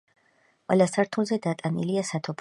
ყველა სართულზე დატანილია სათოფურები.